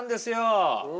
うん！